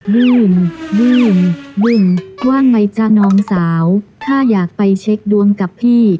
ลืมลื้มดื่มว่างไหมจ๊ะน้องสาวถ้าอยากไปเช็คดวงกับพี่